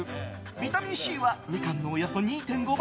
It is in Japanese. ビタミンＣはミカンのおよそ２．５倍。